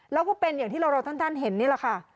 แล้วก็เป็นอย่างที่เราท่านเห็นนี่แหละค่ะ